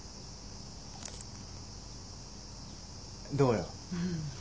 どうよ？